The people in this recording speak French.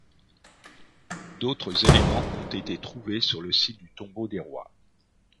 D'autres éléments ont été trouvés sur le site du tombeau des Rois.